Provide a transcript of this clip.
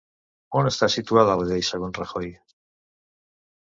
On està situada la llei segons Rajoy?